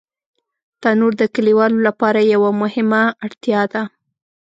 تنور د کلیوالو لپاره یوه مهمه اړتیا ده